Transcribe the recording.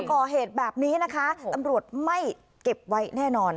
ก่อเหตุแบบนี้นะคะตำรวจไม่เก็บไว้แน่นอน